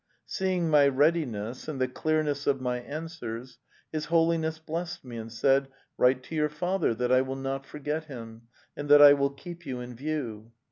Seeing my readiness and the clearness of my. answers, his Holi ness blessed me and said, ' Write to your father that I will not forget him, and that I will keep you in view.